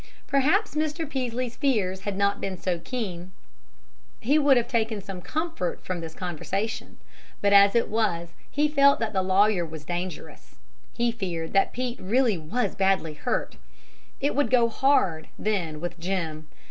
Perhaps had Mr. Peaslee's fears not been so keen, he would have taken some comfort from this conversation; but as it was he felt that the lawyer was dangerous; he feared that Pete really was badly hurt. It would go hard, then, with Jim.